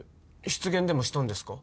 失言でもしたんですか？